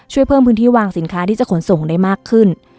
ช่วยเพิ่มพื้นที่วางสินค้าที่จะขนส่งได้มากขึ้น